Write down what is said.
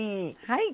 はい。